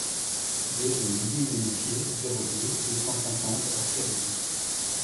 deux rue Louis Mennessier, zéro deux, deux cent cinquante à Thiernu